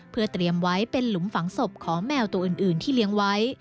เพื่อเตรียมไว้เป็นหลุมฝังศพของแมวตัวอื่นที่เลี้ยงไว้